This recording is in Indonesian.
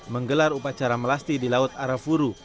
menggelar upacara melasti di laut arafuru